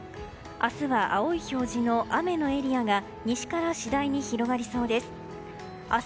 明日は青い表示の雨のエリアが西から次第に広がりそうです。